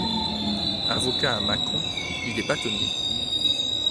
Avocat à Mâcon, il est bâtonnier.